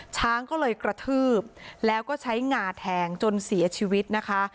ช้างก็เลยกระทืบแล้วก็ใช้งาแทงจนเสียชีวิตนะคะ